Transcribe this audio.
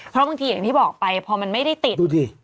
เพราะบางทีอย่างที่บอกไปพอมันไม่ได้ติดดูดิ